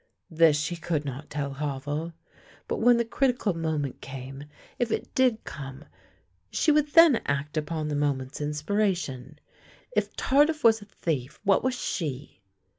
This she could not tell Havel, but when the critical moment came — if it did come — she would then act upon the moment's inspiration. If Tardif was a thief, what was she?